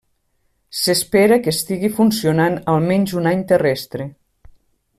S'espera que estigui funcionant almenys un any terrestre.